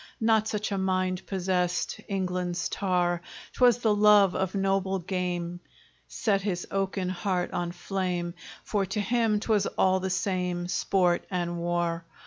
Not such a mind possessed England's tar; 'Twas the love of noble game Set his oaken heart on flame, For to him 'twas all the same Sport and war.